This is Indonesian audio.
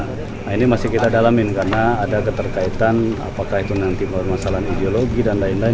nah ini masih kita dalamin karena ada keterkaitan apakah itu nanti permasalahan ideologi dan lain lain